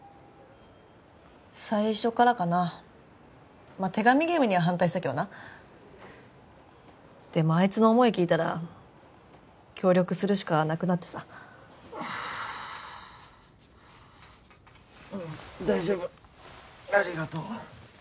最初からかなまっ手紙ゲームには反対したけどなでもあいつの思い聞いたら協力するしかなくなってさ大丈夫ありがとう